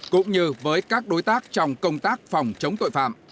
cũng như với các đối tác trong công tác phòng chống tội phạm